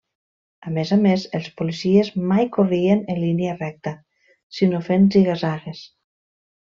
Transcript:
A més a més, els policies mai corrien en línia recta sinó fent ziga-zagues.